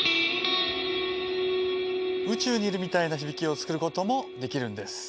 宇宙にいるみたいな響きを作ることもできるんです。